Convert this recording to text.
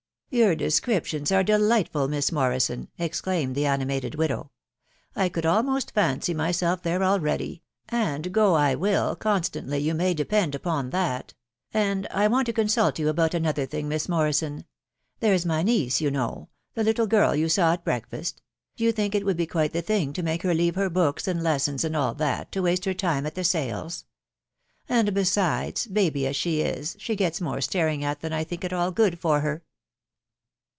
" Your descriptions are delightful, Miss Morrison ! ex claimed the animated widow. " I could almost fancy nmeb? there already, .... and go I will constantly, you may depend upon that ;..•. and I want to consult you about another thing, Miss Morrison. ... There's my niece, you know — the little girl you saw at breakfast .... do you think it would be quite the thing to make her leave her books and lessons, and all that, to waste her time at the sales ?..•. And besides, baby as she is, she gets more staring at than I think at all good for her."